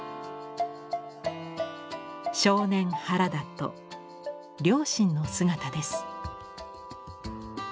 少年・原田と両親の姿です。